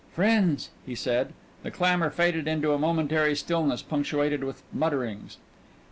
"Friends!" he said. The clamor faded into a momentary stillness, punctuated with mutterings.